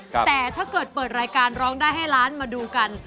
แต่ถ้าเกิดเปิดรายการร้องได้ให้ล้านมาดูกัน